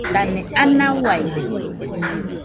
Dane ana uaide